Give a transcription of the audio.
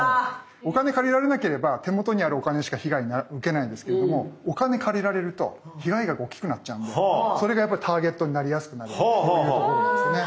お金借りられなければ手元にあるお金しか被害受けないんですけれどもお金借りられると被害額が大きくなっちゃうんでそれがやっぱりターゲットになりやすくなるそういうところなんですね。